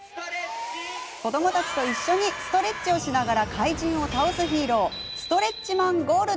子どもたちと一緒にストレッチをしながら怪人を倒すヒーローストレッチマン・ゴールド。